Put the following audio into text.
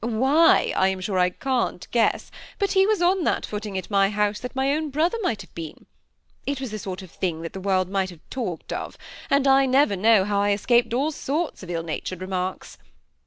Why, I am sure I can't guess ; but he was on that footing at my house that my own brother might have been. It was the sort of thing that the world might have talked of; and I never know how I escaped all sorts of ill natured remarks.